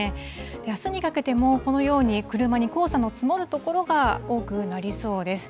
あすにかけても、このように、車に黄砂の積もる所が多くなりそうです。